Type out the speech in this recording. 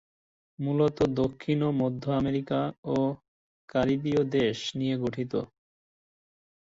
মূলত দক্ষিণ ও মধ্য আমেরিকা ও কারিবীয় দেশ নিয়ে গঠিত।